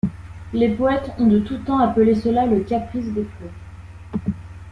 Les poètes ont de tout temps appelé cela le caprice des flots.